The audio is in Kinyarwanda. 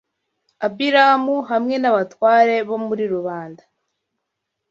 Abiramu hamwe n’abatware bo muri rubanda